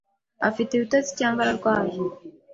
afite ibitotsi cyangwa arwaye